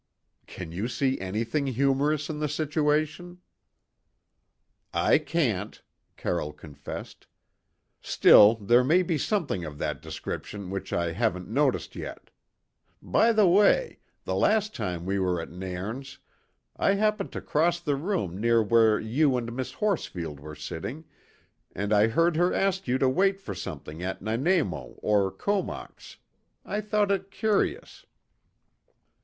"Can you see anything humorous in the situation?" "I can't," Carroll confessed. "Still, there may be something of that description which I haven't noticed yet. By the way, the last time we were at Nairn's, I happened to cross the room near where you and Miss Horsfield were sitting, and I heard her ask you to wait for something at Nanaimo or Comox. I thought it curious."